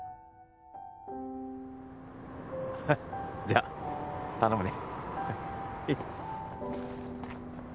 フフッじゃ頼むね